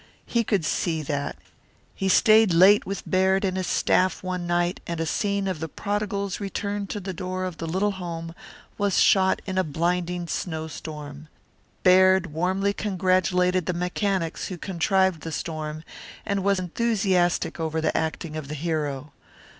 He could see that. He stayed late with Baird and his staff one night and a scene of the prodigal's return to the door of the little home was shot in a blinding snow storm. Baird warmly congratulated the mechanics who contrived the storm, and was enthusiastic over the acting of the hero.